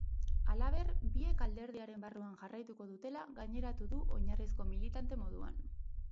Halaber, biek alderdiaren barruan jarraituko dutela gaineratu du oinarrizko militante moduan.